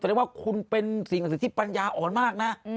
แสดงว่าคุณเป็นสิ่งศิษฐ์ที่ปัญญาอ่อนมากนะ